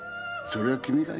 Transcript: それは君が。